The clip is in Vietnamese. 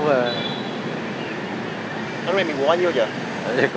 cái này mình bố bao nhiêu chưa